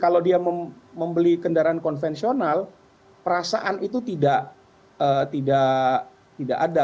kalau dia membeli kendaraan konvensional perasaan itu tidak ada